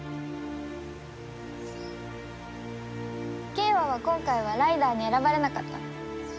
景和は今回はライダーに選ばれなかったの。